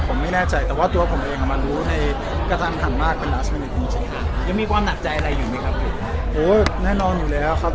โหแน่นอนอยู่แล้วครับ